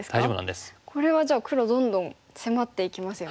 これはじゃあ黒どんどん迫っていきますよね。